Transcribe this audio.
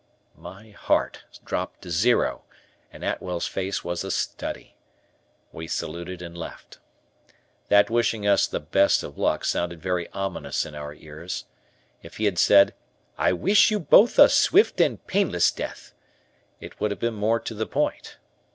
My heart dropped to zero and Atwell's face was a study. We saluted and left. That wishing us the "best of luck" sounded very ominous in our ears; if he had said "I wish you both a swift and painless death" it would have been more to the point.